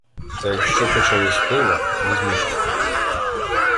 Та якщо почали з пива – не змішуйте